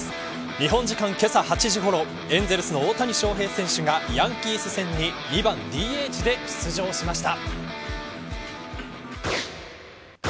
日本時間、けさ８時ごろエンゼルスの大谷翔平選手がヤンキース戦に２番ＤＨで出場しました。